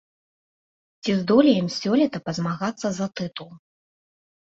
Ці здолеем сёлета пазмагацца за тытул?